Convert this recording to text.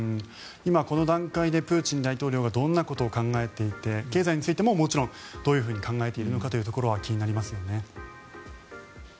今、この段階でプーチン大統領がどんなことを考えていて経済についてももちろんどういうふうに考えているかが気になりますよね。